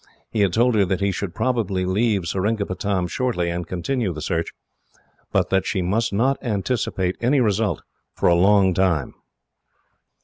He had told her that he should probably leave Seringapatam shortly, and continue the search, but that she must not anticipate any result, for a long time.